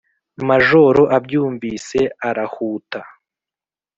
Majoro abyumvise arahuta.